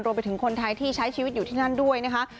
ไปถึงคนไทยที่ใช้ชีวิตอยู่ที่นั่นด้วยนะคะ